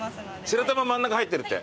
白玉真ん中入ってるって。